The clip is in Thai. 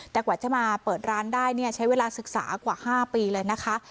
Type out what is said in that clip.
แต่กว่าจะมาเปิดร้านได้ใช้เวลาศึกษากว่า๕ปีเลยนะคะ